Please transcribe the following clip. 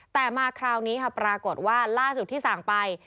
แต่มาคราวนี้ค่ะปรากฏว่าล่าสุดที่สั่งไป